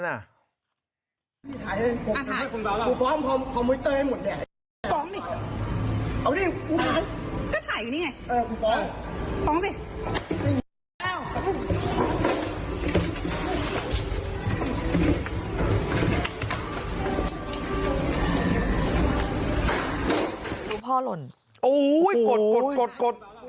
ตัวพ่อหล่นโอ้ยกด